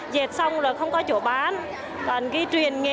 dệt xong là không có chỗ bán